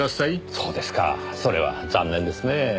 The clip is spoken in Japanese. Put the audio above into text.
そうですかそれは残念ですねぇ。